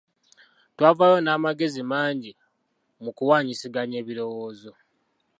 Twavaayo n'amagezi mangi mu kuwaanyisiganya ebirowoozo.